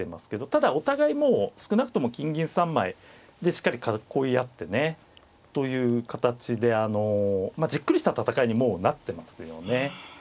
ただお互いもう少なくとも金銀３枚でしっかり囲い合ってね。という形でじっくりした戦いにもうなってますよね。